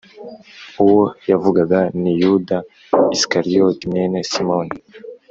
Uwo yavugaga ni yuda isikariyota mwene simoni